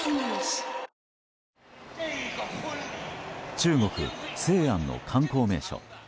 中国・西安の観光名所。